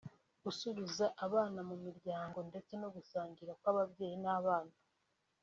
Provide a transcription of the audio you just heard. gusubiza abana mu miryango ndetse no gusangira kw’ababyeyi n’abana